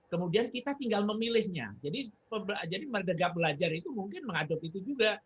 kemudian kita tinggal memilihnya jadi merdeka belajar itu mungkin mengadop itu juga